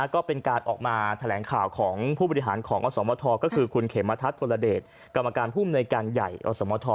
ก็เป็นการออกมาแถลงข่าวของผู้บริหารของอสมทก็คือคุณเขมทัศน์พลเดชกรรมการภูมิในการใหญ่อสมท